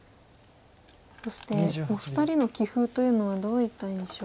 そしてお二人の棋風というのはどういった印象がありますか？